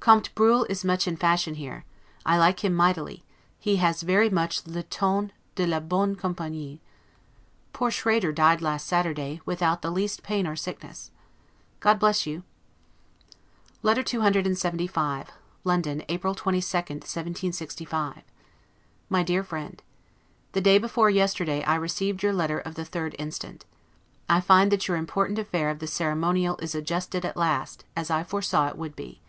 Comte Bruhl is much in fashion here; I like him mightily; he has very much 'le ton de la bonne campagnie'. Poor Schrader died last Saturday, without the least pain or sickness. God bless you! LETTER CCLXXV LONDON, April 22, 1765 MY DEAR FRIEND: The day before yesterday I received your letter of the 3d instant. I find that your important affair of the ceremonial is adjusted at last, as I foresaw it would be.